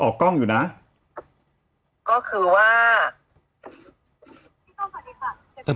ก็คือว่า